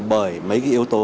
bởi mấy yếu tố